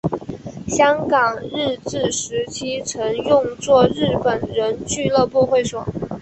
香港日治时期曾用作日本人俱乐部会所。